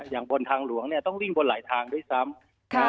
อย่างบนทางหลวงต้องวิ่งบนหลายทางด้วยซ้ำ